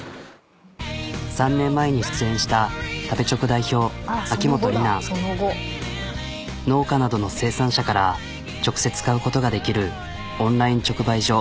３年前に出演した農家などの生産者から直接買うことができるオンライン直売所